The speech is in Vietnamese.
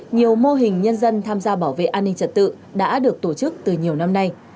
nhiều mô hình nhân dân tham gia bảo vệ an ninh trật tự đã được tổ chức từ nhiều năm nay